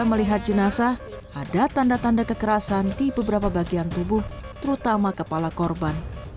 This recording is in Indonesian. melihat jenazah ada tanda tanda kekerasan di beberapa bagian tubuh terutama kepala korban